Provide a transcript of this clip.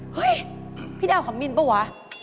เฮ่ยพี่แดวครับมีนป่ะวะ